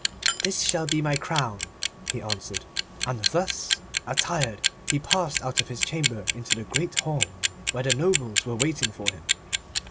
'This shall he my crown,' he answered. And thus attired he passed out of his chamber into the Great Hall, where the nobles were waiting for him.